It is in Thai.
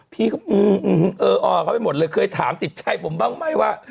พี่ก็เอออ่อเคยถามติดใจผมบ้างไหมว่า